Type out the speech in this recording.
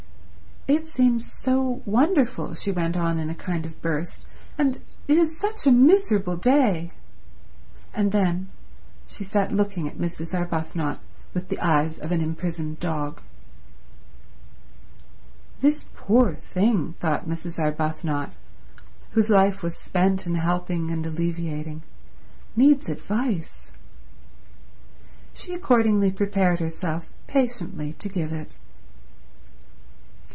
"It seems so wonderful," she went on in a kind of burst, "and—it is such a miserable day ..." And then she sat looking at Mrs. Arbuthnot with the eyes of an imprisoned dog. "This poor thing," thought Mrs. Arbuthnot, whose life was spent in helping and alleviating, "needs advice." She accordingly prepared herself patiently to give it.